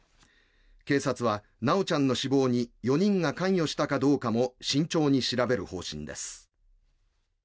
警察は修ちゃんの死亡に４人が関与したかどうかも慎重に調べる方針です。